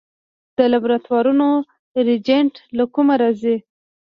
د لابراتوارونو ریجنټ له کومه راځي؟